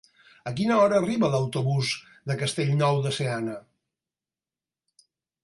A quina hora arriba l'autobús de Castellnou de Seana?